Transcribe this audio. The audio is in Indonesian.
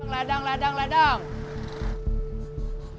ledang ledang ledang